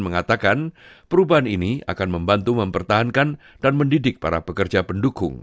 mengatakan perubahan ini akan membantu mempertahankan dan mendidik para pekerja pendukung